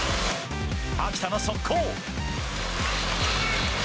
秋田の速攻。